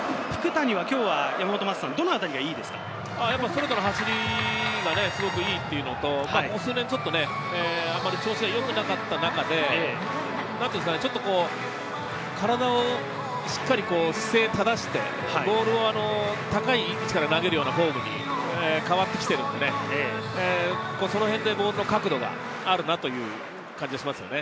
福谷はどの辺がいいですストレートの走りがすごくいいのと、調子が良くなかった中で、体をしっかり姿勢を正して、ボールを高い位置から投げるようなフォームに変わってきているので、その辺でボールの角度があるなという感じがします。